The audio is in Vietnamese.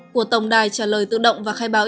của tổng đài trả lời tự động và khai báo